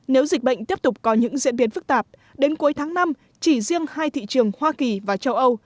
nếu dịch bệnh tiếp tục có những diễn biến phức tạp đến cuối tháng năm chỉ riêng hai thị trường hoa kỳ và châu âu